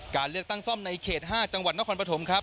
การเลือกตั้งซ่อมในเขต๕จังหวัดนครปฐมครับ